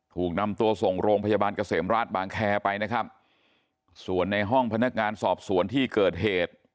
ถูกนำตัวส่งโรงพยาบาลเกษมราชบางแคร์ไปนะครับส่วนในห้องพนักงานสอบสวนที่เกิดเหตุ